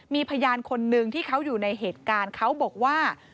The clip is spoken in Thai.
มีพยานคนนึงที่เขาอยู่ในเหตุการณ์เขาบอกว่า